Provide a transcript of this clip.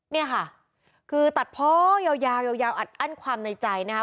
เนี่ยค่ะคือตัดเพาะยาวยาวอัดอั้นความในใจนะคะ